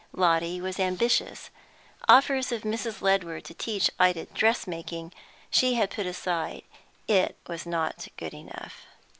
Lotty was ambitious. Offers of Mrs. Ledward to teach Ida dressmaking, she had put aside; it was not good enough.